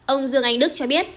ông dương anh đức cho biết